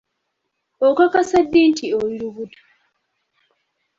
Okakasa ddi nti oli olubuto?